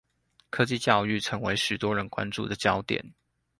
教育科技成為許多人關注的焦點